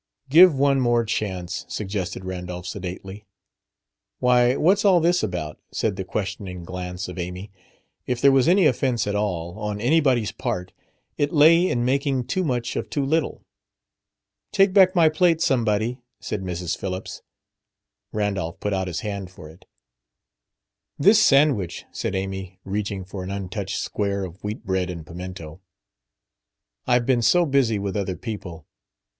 "Give one more chance," suggested Randolph sedately. "Why, what's all this about?" said the questioning glance of Amy. If there was any offense at all, on anybody's part, it lay in making too much of too little. "Take back my plate, somebody," said Mrs. Phillips. Randolph put out his hand for it. "This sandwich," said Amy, reaching for an untouched square of wheat bread and pimento. "I've been so busy with other people...."